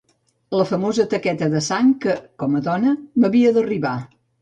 La famosa taqueta de sang que, com a dona, m'havia d'arribar.